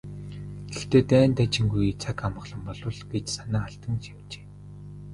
"Гэхдээ дайн дажингүй, цаг амгалан болбол" гэж санаа алдан шивнэжээ.